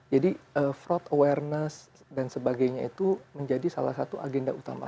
jadi fraud awareness dan sebagainya itu menjadi salah satu agenda utama kami